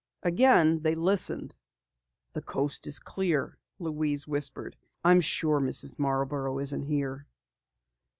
Again they listened. "The coast is clear," Louise whispered. "I'm sure Mrs. Marborough isn't here."